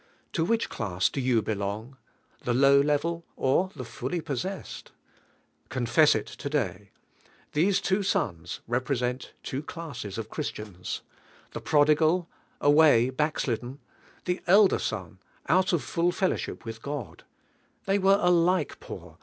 To which class do you belong? The low level, or the fully possessed? Confess it today. These two sons represent two classes of Chris tians, the prodigal — away backslidden; the elder son — out of full fellowship willi Hull; ill. } were alike p.iiir.